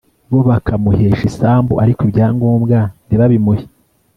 Bo bakamuhesha isambu ariko ibyangombwa ntibabimuhe